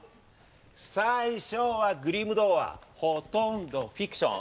最初はグリム童話ほとんどフィクション。